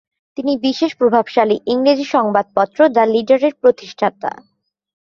তিনি বিশেষ প্রভাবশালী ইংরেজি সংবাদপত্র "দ্য লিডারে"র প্রতিষ্ঠাতা।